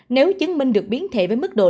nếu chứng minh được biến thể với mức độ